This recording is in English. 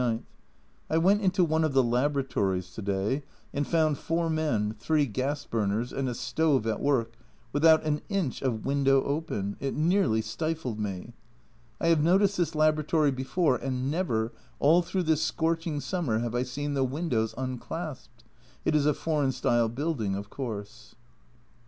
I went into one of the Laboratories to day, and found four men, three gas burners, and a stove at work, without an inch of window open it nearly stifled me. I have noticed this Laboratory before, and never, all through this scorching summer, have I seen the windows unclasped. It is a foreign style building, of course.